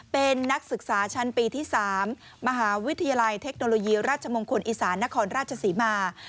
เป็นนักศึกษาชั้นปีที่๓มหาวิทยาลัยเทคโนโลยีราชมงคลอีสานนครราชศรีมา